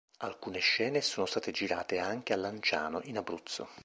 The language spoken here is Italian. Alcune scene sono state girate anche a Lanciano, in Abruzzo.